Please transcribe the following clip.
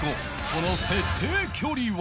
その設定距離は